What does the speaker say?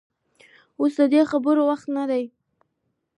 اوس د دې خبرو وخت نه دى.